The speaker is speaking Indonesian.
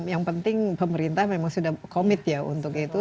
yang penting pemerintah memang sudah komit ya untuk itu